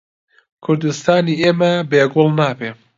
کوردستانی ئێمە بێ گوڵ نابێ